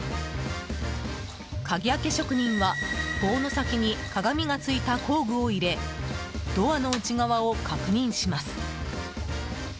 鍵開け職人は棒の先に鏡が付いた工具を入れドアの内側を確認します。